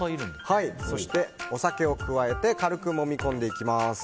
そしてお酒を加えて軽く、もみ込んでいきます。